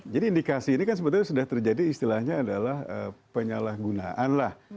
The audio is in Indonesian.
jadi indikasi ini kan sebenarnya sudah terjadi istilahnya adalah penyalahgunaan lah